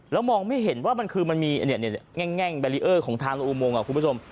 แล้วมองไม่เห็นว่ามันคือมีเนี่ยแง่งของทางอุโมงครูแป้วสม